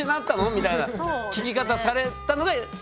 みたいな聞き方されたのがちょっと。